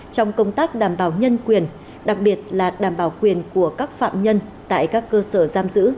trong công tác đảm bảo nhân quyền đặc biệt là đảm bảo quyền của các phạm nhân tại các cơ sở giam giữ